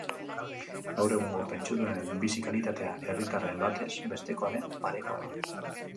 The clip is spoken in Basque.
Gaur egungo pentsiodunen bizi-kalitatea herritarren batez bestekoaren parekoa da.